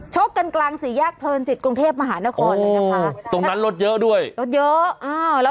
ชกกันกลางสี่แยกเธอจิตกรุงเทพมหานครเลยนะคะตรงนั้นรถเยอะด้วยรถเยอะ